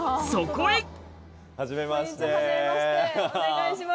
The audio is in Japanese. こんにちははじめましてお願いします。